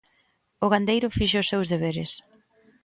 O gandeiro fixo os seus deberes.